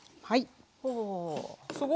はい。